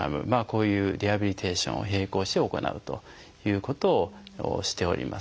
こういうリハビリテーションを並行して行うということをしております。